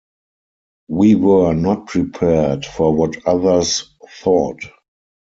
We were not prepared for what others thought.